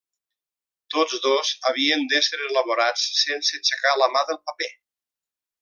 Tots dos havien d'ésser elaborats sense aixecar la mà del paper.